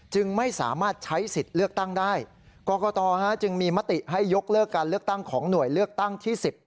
จึงไม่สามารถใช้สิทธิ์เลือกตั้งได้กรกตจึงมีมติให้ยกเลิกการเลือกตั้งของหน่วยเลือกตั้งที่๑๐